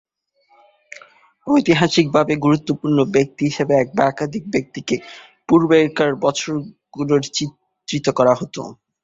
ঐতিহাসিকভাবে গুরুত্বপূর্ণ ব্যক্তি হিসেবে এক বা একাধিক ব্যক্তিকে পূর্বেকার বছরগুলোয় চিত্রিত করা হতো।